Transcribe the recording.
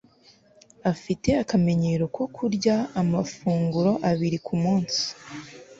afite akamenyero ko kurya amafunguro abiri kumunsi